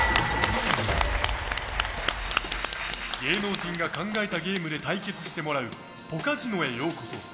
芸能人が考えたゲームで対決してもらうポカジノへようこそ。